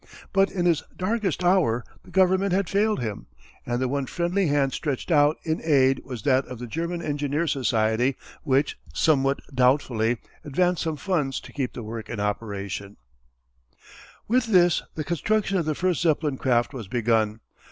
But in his darkest hour the government failed him, and the one friendly hand stretched out in aid was that of the German Engineers' Society which, somewhat doubtfully, advanced some funds to keep the work in operation. [Illustration: © U. & U. A British "Blimp".] With this the construction of the first Zeppelin craft was begun.